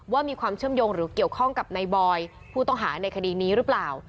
ว่ามีความเชื่อมโยงหรือเกี่ยวข้องกับนายบอยผู้ต้องหาในคดีนี้หรือเปล่า